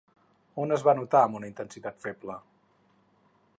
On es va notar amb una intensitat feble?